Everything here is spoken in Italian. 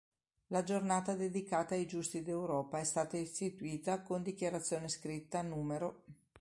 La Giornata dedicata ai Giusti d'Europa è stata istituita con Dichiarazione scritta n.